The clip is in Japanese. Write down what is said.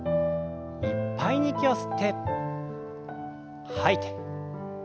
いっぱいに息を吸って吐いて。